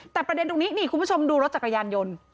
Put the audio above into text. แต่ประเด็นตรงนี้นี่คุณผู้ชมดูรถจักรยานยนต์